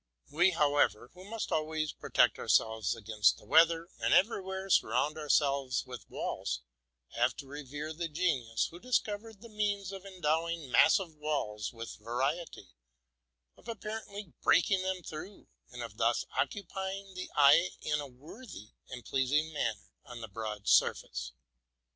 We, however, who must always protect our selyes against the weather, and everywhere surround our selves with walls, have to revere the genius who discovered the means of endowing massive walls with variety, of appar ently breaking them through, and of thus occupying the eye in a worthy and pleasing manner on the broad surface.